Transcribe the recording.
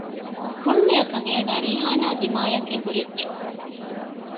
ކުއްލިއަކަށް އޭނާ ރީޙާނާ ދިމާއަށް އެނބުރިއްޖެ